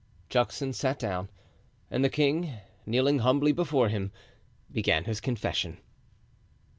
Juxon sat down, and the king, kneeling humbly before him, began his confession.